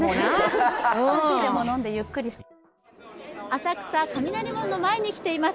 浅草雷門の前に来ています。